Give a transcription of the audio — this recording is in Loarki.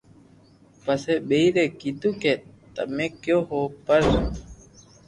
پسي ٻيئر اي ڪآدو ڪي تمو ڪيو ھون پر